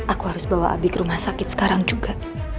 aku harus bawa abi ke rumah sakit sekarang juga